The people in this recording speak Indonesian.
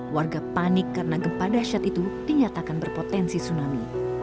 warga panik karena gempa dasyat itu dinyatakan berpotensi tsunami